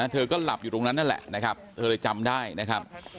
เธอก็หลับอยู่ตรงนั้นนั่นแหละนะครับเธอเลยจำได้นะครับ